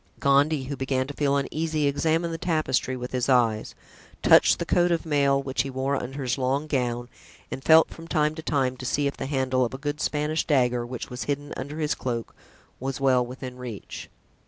Gondy, who began to feel uneasy, examined the tapestry with his eyes, touched the coat of mail which he wore under his long gown and felt from time to time to see if the handle of a good Spanish dagger, which was hidden under his cloak, was well within reach.